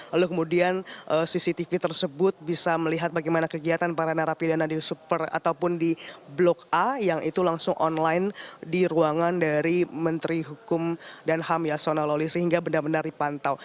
lalu kemudian cctv tersebut bisa melihat bagaimana kegiatan para narapidana di super ataupun di blok a yang itu langsung online di ruangan dari menteri hukum dan ham yasona lawli sehingga benar benar dipantau